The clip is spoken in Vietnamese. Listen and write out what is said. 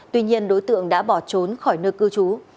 tuy nhiên đối tượng đã bỏ trốn khỏi nơi cư trú